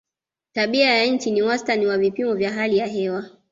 tabia ya nchi ni wastani wa vipimo vya hali ya hewa